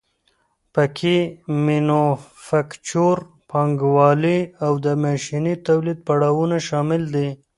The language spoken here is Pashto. پکې مینوفکچور پانګوالي او د ماشیني تولید پړاوونه شامل دي